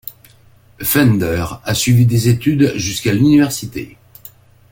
Fender a suivi des études jusqu'à l'université.